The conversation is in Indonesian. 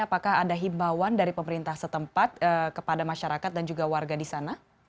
apakah ada himbauan dari pemerintah setempat kepada masyarakat dan juga warga di sana